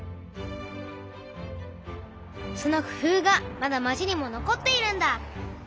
その工夫がまだ町にも残っているんだ。